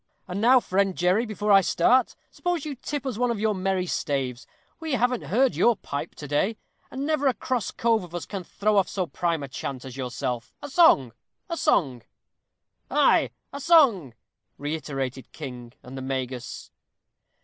And now, friend Jerry, before I start, suppose you tip us one of your merry staves; we haven't heard your pipe to day, and never a cross cove of us all can throw off so prime a chant as yourself. A song! a song!" "Ay, a song!" reiterated King and the Magus.